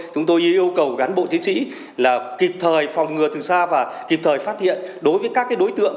chúng tôi yêu cầu cán bộ chiến sĩ là kịp thời phòng ngừa từ xa và kịp thời phát hiện đối với các đối tượng